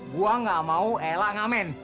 gua nggak mau ela ngamen